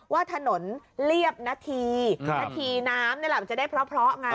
ว่าถนนเรียบนาทีนาทีน้ำนี่แหละมันจะได้เพราะไง